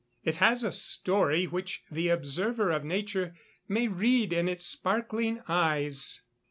It has a story which the observer of nature may read in its sparkling eyes.